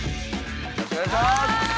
よろしくお願いします